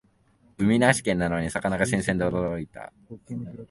海なし県なのに魚が新鮮で驚いた